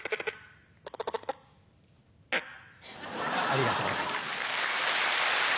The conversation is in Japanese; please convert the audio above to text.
ありがとうございます。